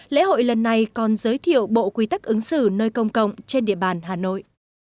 lễ hội lần này còn giới thiệu bộ quy tắc ứng xử nơi công cộng trên địa bàn hà nội